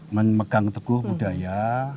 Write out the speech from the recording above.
memegang teguh budaya